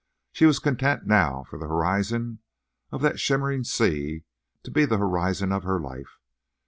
She was content now for the horizon of that shimmering sea to be the horizon of her life.